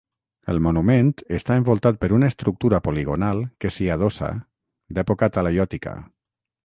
El monument està envoltat per una estructura poligonal que s'hi adossa, d'època talaiòtica.